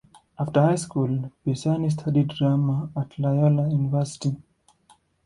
After high school, Picerni studied drama at Loyola University.